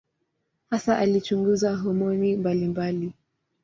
Hasa alichunguza homoni mbalimbali.